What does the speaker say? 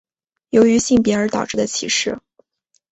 由于性别而导致的歧视。